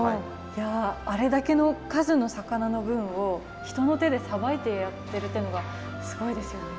いやあれだけの数の魚の分を人の手でさばいてやってるっていうのがすごいですよね。